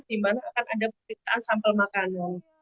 di mana akan ada penyitaan sampel makanan